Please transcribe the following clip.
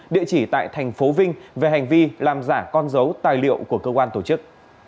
địa chỉ tại thành phố vinh về hành vi làm giả con dấu tài liệu của cơ quan tổ chức